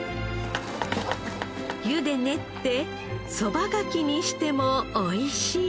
湯で練ってそばがきにしてもおいしい！